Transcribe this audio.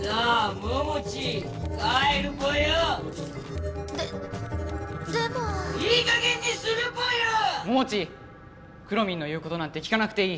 モモチーくろミンの言うことなんて聞かなくていい！